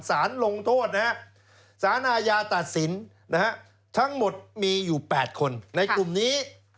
สารลงโทษนะฮะสารอาญาตัดสินทั้งหมดมีอยู่๘คนในกลุ่มนี้